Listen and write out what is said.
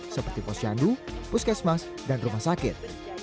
seperti posyandu puskesmas dan rumah sakit